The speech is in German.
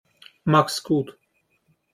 Mach's gut.